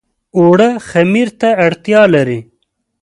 اوړه خمیر ته اړتيا لري